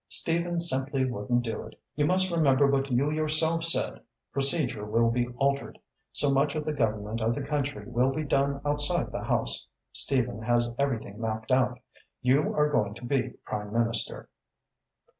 "Stephen simply wouldn't do it. You must remember what you yourself said procedure will be altered. So much of the government of the country will be done outside the House. Stephen has everything mapped out. You are going to be Prime Minister."